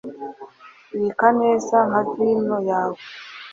Bika neza nka vino yawe